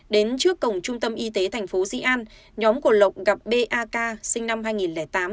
đến trước cổng trung tâm y tế thành phố dĩ an nhóm của lộc gặp b a k sinh năm hai nghìn tám